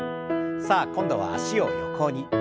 さあ今度は脚を横に。